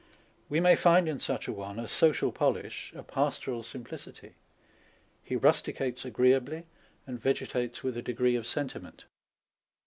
We may find in such a one a social polish, a pastoral simplicity. He rusticates agreeably, and vegetates with a degree of sentiment.